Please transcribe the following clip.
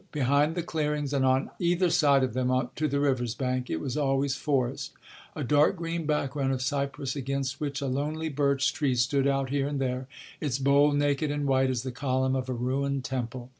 Behind the clearings, and on either side of them to the river's bank, it was always forest: a dark green background of cypress against which a lonely birch tree stood out here and there, its bole naked and white as the column of a ruined temple.